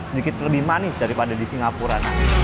sedikit lebih manis daripada di singapura